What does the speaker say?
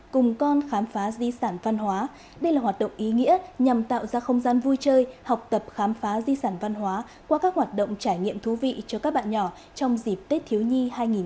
cùng con khám phá di sản văn hóa đây là hoạt động ý nghĩa nhằm tạo ra không gian vui chơi học tập khám phá di sản văn hóa qua các hoạt động trải nghiệm thú vị cho các bạn nhỏ trong dịp tết thiếu nhi hai nghìn một mươi chín